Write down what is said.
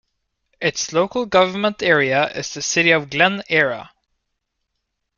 Its local government area is the City of Glen Eira.